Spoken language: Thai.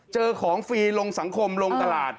เจอของฟรีลงสังคมลงตลาด